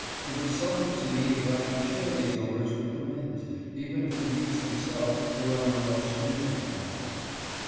It was something to me that I could share these odors with the winds, even if the meats themselves were under a more stringent monopoly.